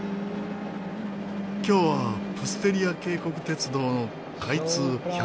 今日はプステリア渓谷鉄道の開通